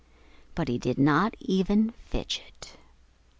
But he did not even fidget.